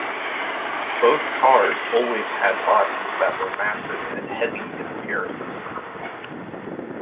Both cars always had bodies that were massive and heavy in appearance.